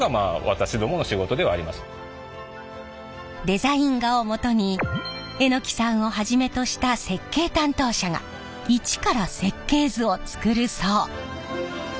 デザイン画をもとに榎さんをはじめとした設計担当者が一から設計図を作るそう。